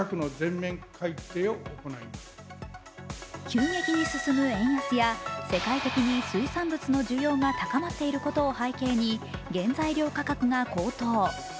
急激に進む円安や世界的に水産物の需要が高まっていることを背景に原材料価格が高騰。